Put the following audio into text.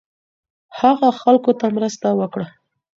هغه خلکو ته مرسته وکړه